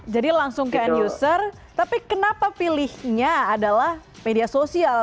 jadi langsung ke end user tapi kenapa pilihnya adalah media sosial